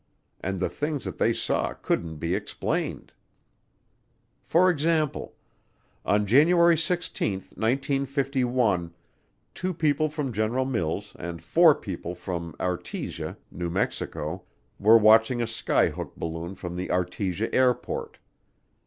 And the things that they saw couldn't be explained. For example: On January 16, 1951, two people from General Mills and four people from Artesia, New Mexico, were watching a skyhook balloon from the Artesia airport.